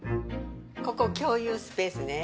ここ共有スペースね。